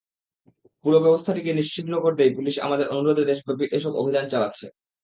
পুরো ব্যবস্থাটিকে নিশ্ছিদ্র করতেই পুলিশ আমাদের অনুরোধে দেশব্যাপী এসব অভিযান চালাচ্ছে।